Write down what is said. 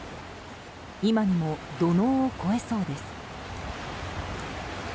今にも土のうを越えそうです。